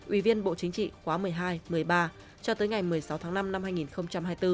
ủy viên bộ chính trị khóa một mươi hai một mươi ba cho tới ngày một mươi sáu tháng năm năm hai nghìn hai mươi bốn